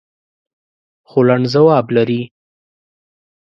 خو لنډ ځواب لري.